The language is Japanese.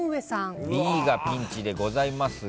Ｂがピンチでございますが。